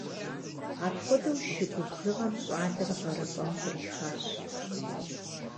Апхуэдэу шы губзыгъэм щӏалэр гъэрыпӏэм кърихащ.